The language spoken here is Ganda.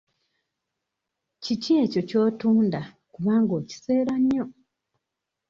Kiki ekyo ky'otunda kubanga okiseera nnyo?